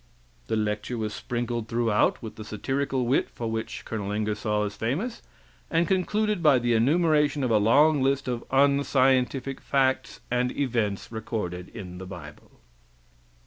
[The lecture was sprinkled throughout with the satirical wit for which Col. Ingersoll is famous, and concluded by the enumeration of a long list of "unscientific" facts and events recorded in the bible.